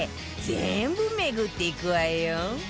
全部巡っていくわよ